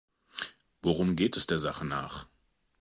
Worum geht es der Sache nach?